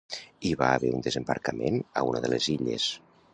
Hi va haver un desembarcament a una de les illes.